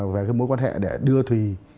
về cái mối quan hệ để đưa thùy